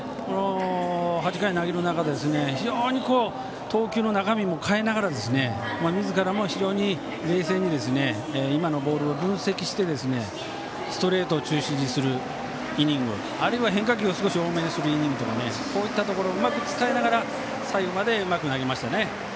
８回を投げる中で非常に投球の中身も変えながらみずからも非常に冷静に今のボールを分析してストレートを中心にするイニングあるいは変化球を多めにするイニングとかこういったところをうまく使いながら最後までうまく投げましたね。